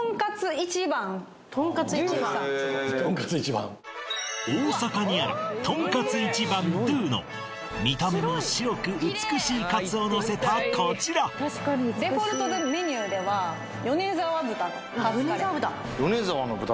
一番大阪にあるとんかつ一番２ｄｅｕｘの見た目も白く美しいカツをのせたこちらデフォルトでメニューでは米澤豚のカツカレー米澤豚